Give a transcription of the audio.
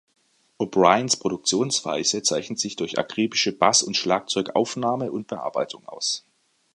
O'Briens Produktionsweise zeichnet sich durch akribische Bass- und Schlagzeug-Aufnahme und -bearbeitung aus.